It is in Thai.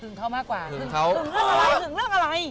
หึงเขามากกว่าหึงเขาหึงเรื่องอะไร